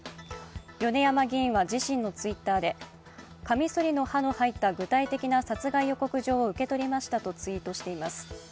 米山議員は自身のＴｗｉｔｔｅｒでかみそりの入った具体的な殺害予告状を受け取りましたとツイートしています。